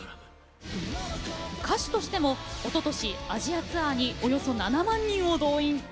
歌手としてもおととしアジアツアーに７万人を動員。